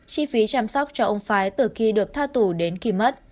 chi phí chăm sóc cho ông phái từ khi được tha tù đến khi mất